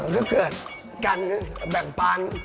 ถ้าเกิดการแบ่งปัน